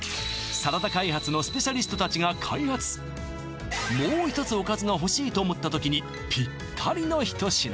サラダ開発のスペシャリスト達が開発もう一つおかずがほしいと思った時にぴったりの一品